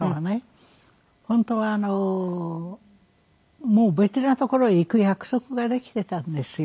本当はあのもう別な所へ行く約束ができてたんですよ。